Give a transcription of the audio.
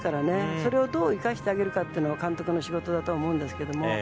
それをどう生かしてあげるかが監督の仕事だと思うんですけれども。